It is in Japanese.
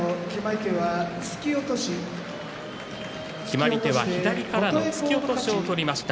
決まり手は左からの突き落としを取りました。